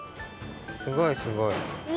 すごいすごい！